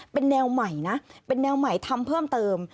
เป็นแนวใหม่นะเป็นแนวใหม่ทำเพิ่มเติม